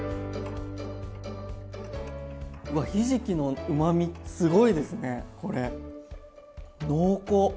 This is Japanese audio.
わっひじきのうまみすごいですねこれ。濃厚！